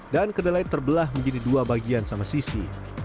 dan kedelai terbelah menjadi dua bagian sama sisi